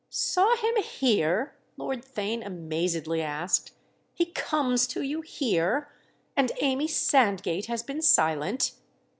"Saw him 'here'?" Lord Theign amazedly asked. "He comes to you here—and Amy Sandgate has been silent?"